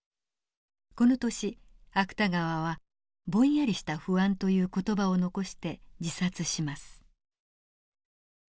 この年芥川は「ぼんやりした不安」という言葉を残して自殺します。